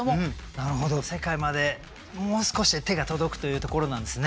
なるほど世界までもう少しで手が届くというところなんですね。